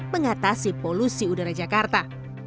mengatasi polusi udara jakarta